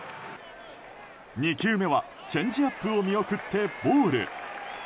２球目はチェンジアップを見送ってボール。